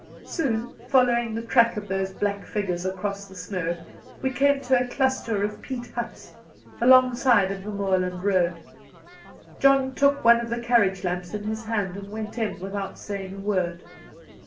Soon, following the track of those black figures across the snow, we came to a cluster of peat huts, alongside of the moorland road. John took one of the carriage lamps in his hand, and went in, without saying a word.